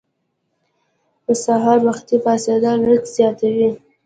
سحر وختي پاڅیدل رزق زیاتوي.